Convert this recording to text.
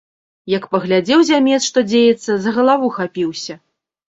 Як паглядзеў зямец, што дзеецца, за галаву хапіўся!